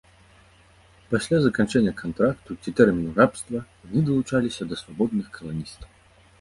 Пасля заканчэння кантракту ці тэрміну рабства яны далучаліся да свабодных каланістаў.